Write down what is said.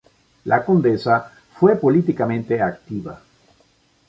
La condesa fue políticamente activa.